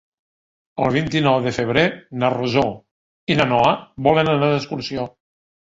El vint-i-nou de febrer na Rosó i na Noa volen anar d'excursió.